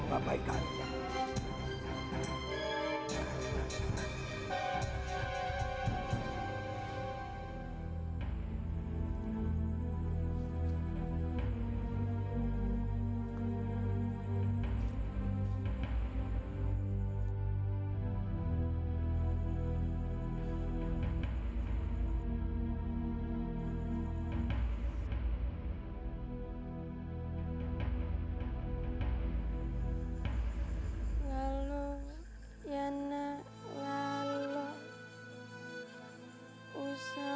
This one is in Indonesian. kebingungan dengan pijati dirinya